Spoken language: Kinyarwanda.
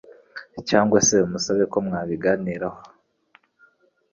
cyangwa se umusabe ko mwabiganiraho